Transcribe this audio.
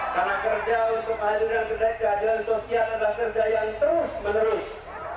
karena kerja untuk menghadirkan keadilan sosial adalah kerja yang terus menerus